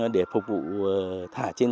để phục vụ thả trên